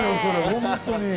本当に。